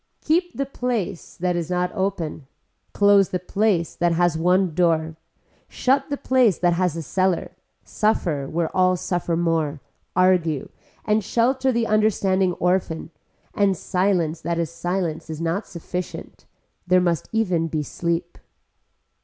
Keep the place that is not open, close the place that has one door, shut the place that has a cellar, suffer where all suffer more, argue, and shelter the understanding orphan, and silence that is silence is not sufficient there must even be sleep.